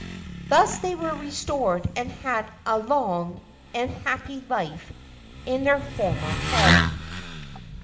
Thus they were restored and had a long and happy life in their former home.